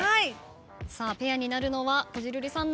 さあペアになるのはこじるりさん